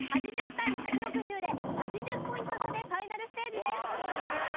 ８０対１６０で８０ポイント差でファイナルステージです。